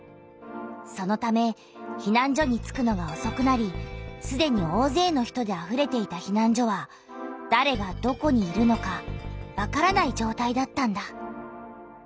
そのためひなん所に着くのがおそくなりすでにおおぜいの人であふれていたひなん所はだれがどこにいるのかわからないじょうたいだったんだ。